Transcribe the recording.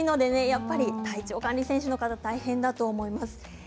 やっぱり体調管理選手の方、大変だと思います。